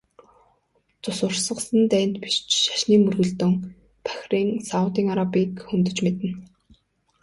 Цус урсгасан дайн биш ч шашны мөргөлдөөн Бахрейн, Саудын Арабыг хөндөж мэднэ.